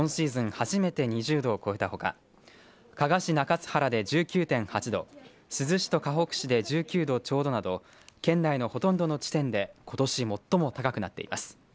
初めて２０度を超えたほか加賀市中津原で１９．８度珠洲市とかほく市で１９度ちょうどなど県内のほとんどの地点でことし最も高くなっています。